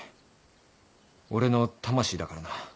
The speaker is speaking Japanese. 俺の魂だからな。